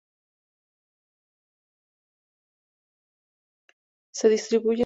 Se distribuyen por Australasia.